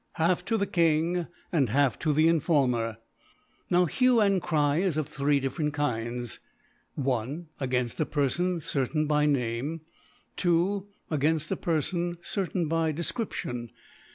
half to the ICTing and half to ^ the Informer/ Now Hue and Cry is of three different Kinds : i. Againft a Perfon certain by Name, 2. Againft a Perfon certain by De ftription.